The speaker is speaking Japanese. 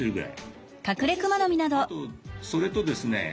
あとそれとですね